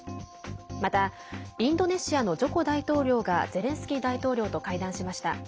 また、インドネシアのジョコ大統領がゼレンスキー大統領と会談しました。